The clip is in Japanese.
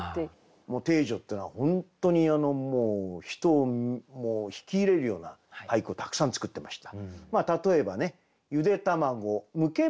汀女っていうのは本当に人を引き入れるような俳句をたくさん作ってました。